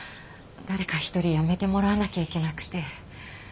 誰か１人辞めてもらわなきゃいけなくて。